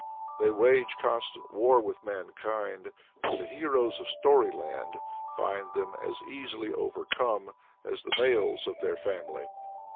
They wage constant war with mankind, but the heroes of storyland find them as easily overcome as the males of their family.